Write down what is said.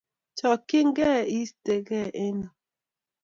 Chakchin ke istegen eng' yu.